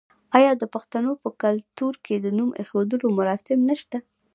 آیا د پښتنو په کلتور کې د نوم ایښودلو مراسم نشته؟